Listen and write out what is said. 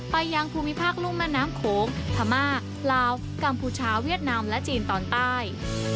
ยังภูมิภาคลุ่มแม่น้ำโขงพม่าลาวกัมพูชาเวียดนามและจีนตอนใต้